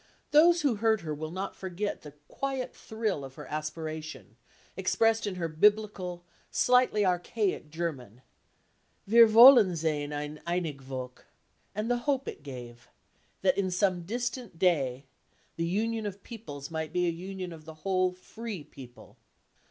Those who heard her will not forget the quiet thrill of her aspiration, expressed in her Biblical, slightly archaic German—"Wir wollen seyn ein einig Volk," and the hope it gave, that in some distant day the union of peoples might be a union of the whole free people.